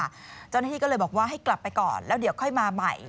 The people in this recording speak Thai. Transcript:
เจ้าหน้าที่ก็เลยบอกว่าให้กลับไปก่อนแล้วเดี๋ยวค่อยมาใหม่